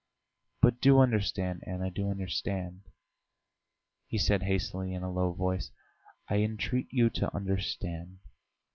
"But do understand, Anna, do understand ..." he said hastily in a low voice. "I entreat you to understand...."